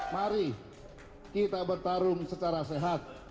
mari kita bertarung secara sehat